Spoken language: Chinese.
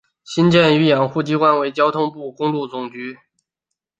新建与养护机关为交通部公路总局。